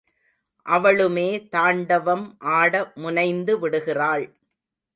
அவளுமே தாண்டவம் ஆட முனைந்து விடுகிறாள்.